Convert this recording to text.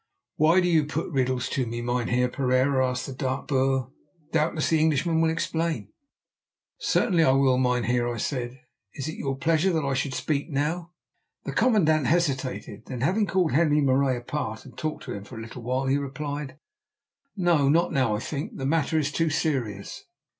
"Why do you put riddles to me, Mynheer Pereira?" asked the dark Boer. "Doubtless the Englishman will explain." "Certainly I will, mynheer," I said. "Is it your pleasure that I should speak now?" The commandant hesitated. Then, having called Henri Marais apart and talked to him for a little while, he replied: "No, not now, I think; the matter is too serious.